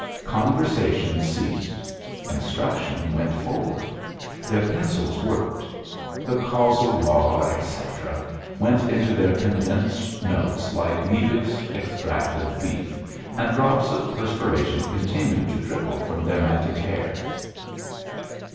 Conversation ceased. Instruction went forward. Their pencils worked. The causal law, etc., went into their condensed notes like Liebig's extract of beef, and drops of perspiration continued to trickle from their matted hair.